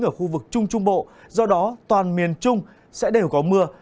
ở khu vực trung trung bộ do đó toàn miền trung sẽ đều có mưa